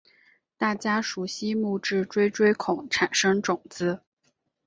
大家熟悉木质锥锥孔产生种子。